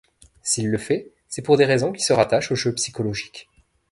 S'il le fait, c'est pour des raisons qui se rattachent au jeu psychologique.